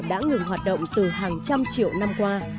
đã ngừng hoạt động từ hàng trăm triệu năm qua